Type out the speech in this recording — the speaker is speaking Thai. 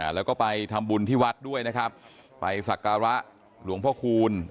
แล้วก็ไปทำบุญที่วัดด้วยนะครับไปสักการะหลวงพ่อคูณ